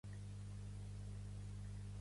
Què xoca a Lleida?